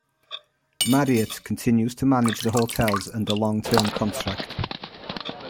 Marriott continues to manage the hotels under long-term contract.